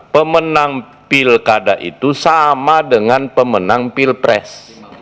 pemenang pilkada itu sama dengan pemenang pilpres